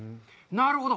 なるほど。